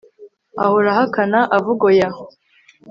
ahora ahakana, avuga oya